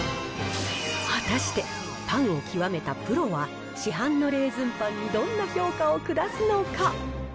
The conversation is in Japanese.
果たして、パンを極めたプロは、市販のレーズンパンにどんな評価を下すのか。